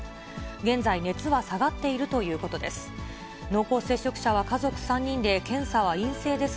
現在、熱は下がっているということです。